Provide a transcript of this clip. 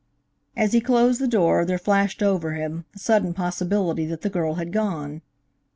As he closed the door, there flashed over him, the sudden possibility that the girl had gone.